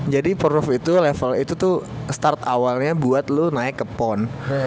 jadi forlost itu level itu tuh start awalnya buat lu naik ke pon